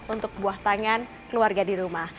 untuk buah tangan keluarga di rumah